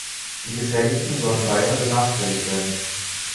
Die Geschädigten sollen weiter benachteiligt werden.